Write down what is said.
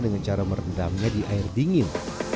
dengan cara merendamnya di air dingin